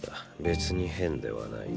別に変ではない。